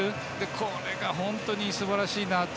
これが本当にすばらしいなと。